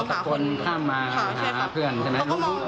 อาจารย์ข้ามมาหาเพื่อนใช่ไหม